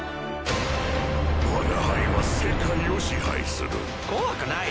「わが輩は世界を支配する」「怖くない。